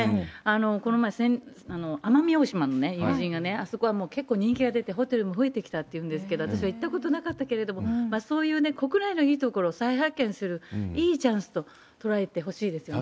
この前、奄美大島の友人がね、あそこは結構人気が出て、ホテルも増えてきたというんですけれども、私は行ったことなかったけれども、そういう国内のいいところを再発見する、いいチャンスと捉えてほしいですよね。